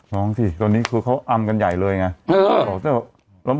ร้องสิตอนนี้คือเขาอำกันใหญ่เลยไงเออบอกเจ้า